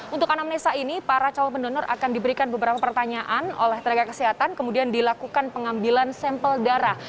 untuk anamnesa ini para calon pendonor akan diberikan beberapa pertanyaan oleh tenaga kesehatan kemudian dilakukan pengambilan sampel darah